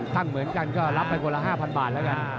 ตั้งเหมือนกันก็รับไปกว่าละ๕๐๐๐บาทแล้วกัน